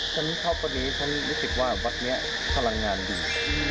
ฉันเข้าวัดนี้ฉันรู้สึกว่าวัดนี้พลังงานดี